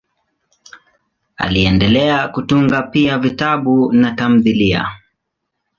Aliendelea kutunga pia vitabu na tamthiliya.